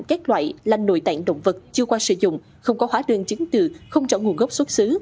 các loại là nội tạng động vật chưa qua sử dụng không có hóa đơn chứng từ không trỏng nguồn gốc xuất xứ